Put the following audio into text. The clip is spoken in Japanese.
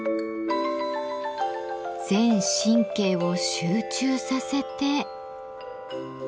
全神経を集中させて。